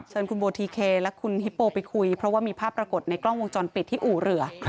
เชิญคุณโบทีเคและคุณฮิปโปไปคุยเพราะว่ามีภาพปรากฏในกล้องวงจรปิดที่อู่เรือ